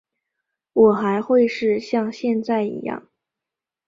我还会是像现在一样